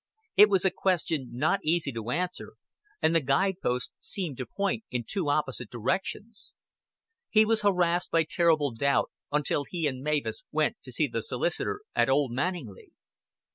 It was a question not easy to answer, and the guide post seemed to point in two opposite directions. He was harassed by terrible doubt until he and Mavis went to see the solicitor at Old Manninglea.